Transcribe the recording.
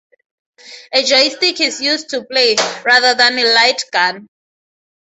A joystick is used to play, rather than a light gun.